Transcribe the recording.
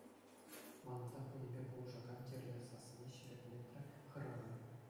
Мана та кунӗпе пулӑшакан кирлӗ, — сассине ҫирӗплетрӗ хӗрарӑм.